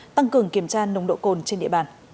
tăng cường kiểm tra nồng độ cồn trên địa bàn